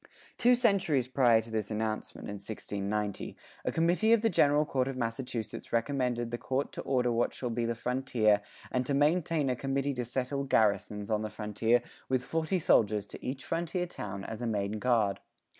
Two centuries prior to this announcement, in 1690, a committee of the General Court of Massachusetts recommended the Court to order what shall be the frontier and to maintain a committee to settle garrisons on the frontier with forty soldiers to each frontier town as a main guard.